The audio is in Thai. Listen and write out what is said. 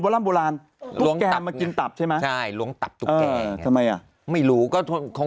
โดนล้วงตับมั้ยสรุป